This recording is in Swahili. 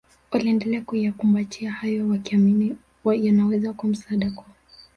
waliendelea kuyakumbatia hayo wakiamini yanaweza kuwa msaada kwao